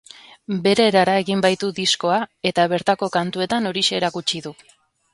Bere erara egin baitu diskoa eta bertako kantuetan horixe erakutsi du.